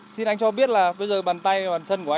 xin anh cho biết là bây giờ bàn tay bàn chân của anh